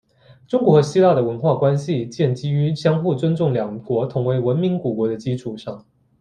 中国和希腊的文化关系建基于相互尊重两国同为文明古国的基础上。